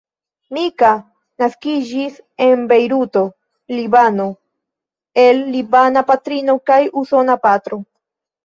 Mika naskiĝis en Bejruto, Libano el libana patrino kaj usona patro.